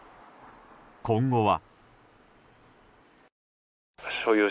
今後は。